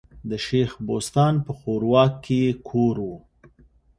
د شېخ بستان په ښوراوک کي ئې کور ؤ.